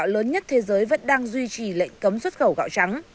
xuất khẩu gạo lớn nhất thế giới vẫn đang duy trì lệnh cấm xuất khẩu gạo trắng